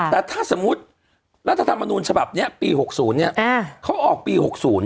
แต่ถ้าสมมุติรัฐธรรมนูญฉบับนี้ปี๖๐เนี่ยเขาออกปี๖๐